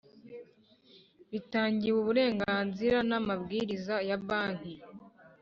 bitangiwe uburenganzira n amabwiriza ya Banki